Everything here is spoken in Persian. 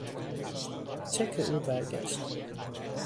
چک او برگشت.